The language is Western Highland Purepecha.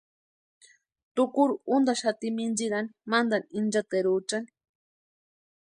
Tukuru úntaxati mintsirani mantani inchateruchani.